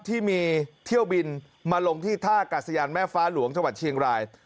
ที่มีเที่ยวบินมาลงที่ท่ากาศยานแม่ฟ้าหลวงจังหวัดเชียงราย